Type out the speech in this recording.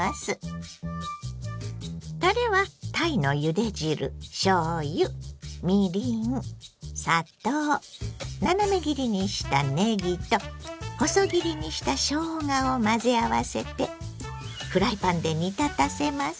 たれはたいのゆで汁しょうゆみりん砂糖斜め切りにしたねぎと細切りにしたしょうがを混ぜ合わせてフライパンで煮立たせます。